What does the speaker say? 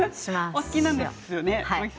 お好きなんですよね。